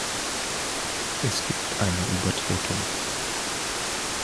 Es gibt eine Übertretung.